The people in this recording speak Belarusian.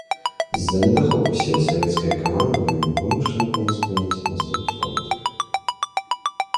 З-за недахопу сіл савецкае камандаванне вымушана было спыніць наступ фронту.